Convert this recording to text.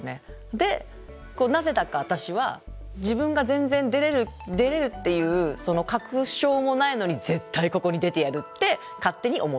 でなぜだか私は自分が全然出れるっていう確証もないのに絶対ここに出てやるって勝手に思ってた。